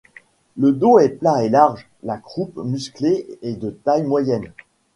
Le dos est plat et large, la croupe musclée et de taille moyenne.